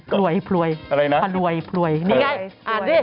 พลวยพลวยพาลวยนี่ไงอ่านสิ